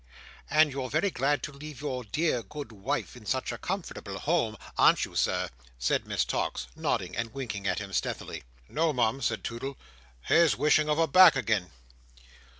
"And you're very glad to leave your dear good wife in such a comfortable home, ain't you, Sir?" said Miss Tox, nodding and winking at him stealthily. "No, Mum," said Toodle. "Here's wishing of her back agin."